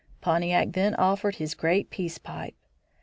Pontiac then offered his great peace pipe.